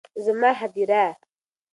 زما هديره